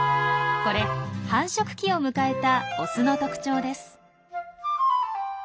これ繁殖期を迎えたオスの特徴です。